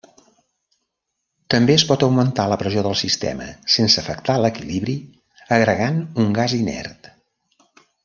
També es pot augmentar la pressió del sistema sense afectar l'equilibri agregant un gas inert.